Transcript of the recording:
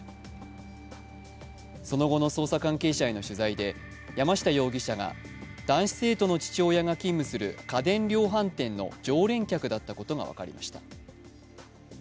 その後の捜査関係者への取材で山下容疑者が男子生徒の父親が勤務する家電量販店の常連客だったことが分かりました。